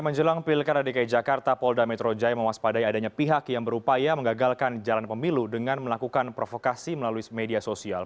menjelang pilkada dki jakarta polda metro jaya mewaspadai adanya pihak yang berupaya mengagalkan jalan pemilu dengan melakukan provokasi melalui media sosial